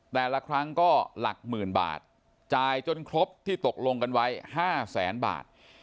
แต่ละครั้งก็หลักหมื่นบาทจ่ายจนครบที่ตกลงกันไว้๕แสนบาท